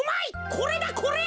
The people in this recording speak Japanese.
これだこれ。